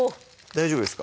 大丈夫です